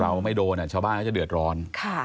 เราไม่โดนชาวบ้านเขาจะเดือดร้อน